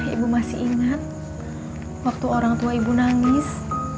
ibu masih ingat waktu orang tua ibu nangis